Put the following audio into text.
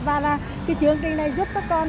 và là cái chương trình này giúp các con